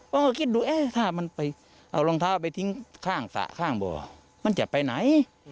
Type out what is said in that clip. เขาก็คิดดูเอ๊ะถ้ามันไปเอารองเท้าไปทิ้งข้างสระข้างบ่อมันจะไปไหน